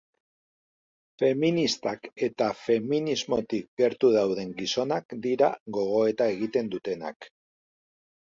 Feministak eta feminismotik gertu dauden gizonak dira gogoeta egiten dutenak.